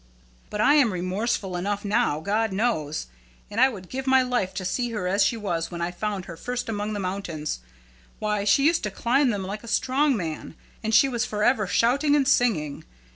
But I am remorseful enough now, God knows. And I would give my life to see her as she was when I found her first among the mountains. Why, she used to climb them like a strong man, and she was forever shouting and singing.